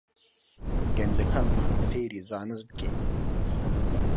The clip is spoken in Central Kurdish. گەنجەکانمان فێری زانست بکەین